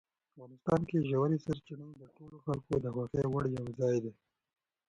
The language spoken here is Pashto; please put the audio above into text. افغانستان کې ژورې سرچینې د ټولو خلکو د خوښې وړ یو ځای دی.